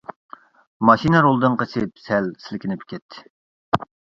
ماشىنا رولدىن قېچىپ سەل سىلكىنىپ كەتتى.